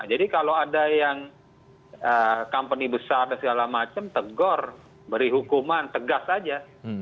jadi kalau ada yang company besar dan segala macam tegur beri hukuman tegas aja